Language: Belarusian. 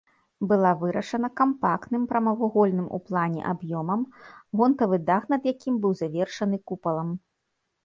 Была вырашана кампактным прамавугольным у плане аб'ёмам, гонтавы дах над якім быў завершаны купалам.